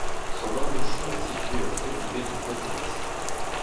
Son embouchure est située au fond d'une baie du côté ouest.